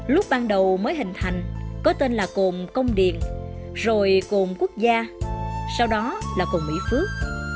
lúc ban đầu mới hình thành có tên là cồn công điền rồi cồn quốc gia sau đó là cồn mỹ phước